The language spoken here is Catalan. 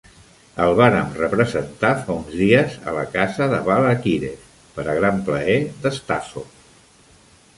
El vàrem representar fa uns dies a la casa de Balakirev per a gran plaer de Stassov.